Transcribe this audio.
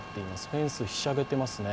フェンスひしゃげてますね。